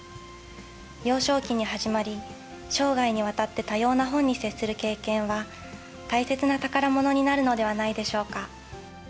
幼少期に始まり、生涯にわたって多様な本に接する経験は、大切な宝物になるのではないでしょうか。